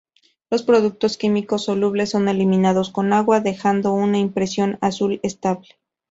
Los productos químicos solubles son eliminados con agua, dejando una impresión azul estable.